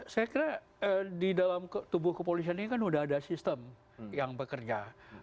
saya kira di dalam tubuh kepolisian ini kan sudah ada sistem yang bekerja